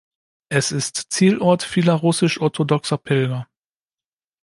Es ist Zielort vieler russisch-orthodoxer Pilger.